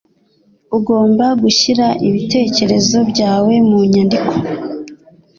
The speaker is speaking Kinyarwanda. Ugomba gushyira ibitekerezo byawe mu nyandiko.